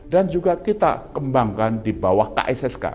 dan juga kita kembangkan di bawah kssk